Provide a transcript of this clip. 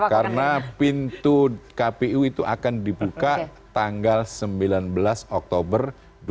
karena pintu kpu itu akan dibuka tanggal sembilan belas oktober dua ribu dua puluh tiga